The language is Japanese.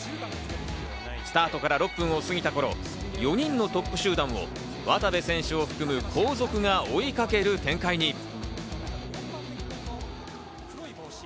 スタートから６分を過ぎた頃、４人のトップ集団を渡部選手を含む後続が追いかける展開に。